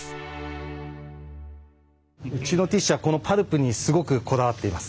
うちのティッシュはこのパルプにすごくこだわっています。